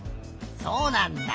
そうなんだ。